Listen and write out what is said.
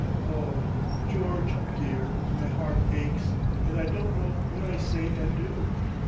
"Oh! George, dear, my heart aches, and I don't know what I say and do.